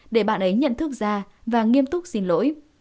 để bạn ấy nhận thức ra và nghiêm túc xin lỗi